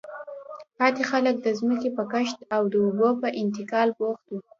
پاتې خلک د ځمکې په کښت او د اوبو په انتقال بوخت وو.